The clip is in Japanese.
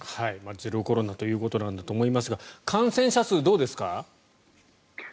ゼロコロナということなんだと思いますが感染者数はどうですか？